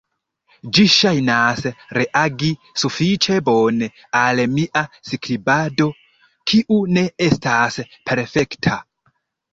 Ĝi ŝajnas reagi sufiĉe bone al mia skribado, kiu ne estas perfekta.